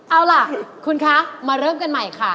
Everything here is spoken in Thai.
เอาล่ะคุณคะมาเริ่มกันใหม่ค่ะ